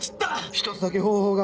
１つだけ方法が。